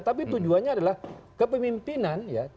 tapi tujuannya adalah kepemimpinan